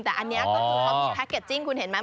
แต่อันนี้ก็มีแพ็คเกจจิ้งคุณเห็นไหม